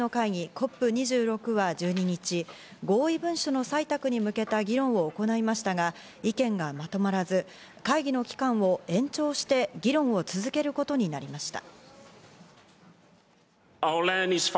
ＣＯＰ２６は１２日、合意文書の採択に向けた議論を行いましたが、意見がまとまらず、会議の期間を延長して議論を続けることになりました。